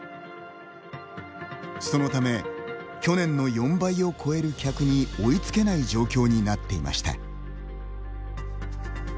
そのため去年の４倍を超える客に追いつけない状況になっていました。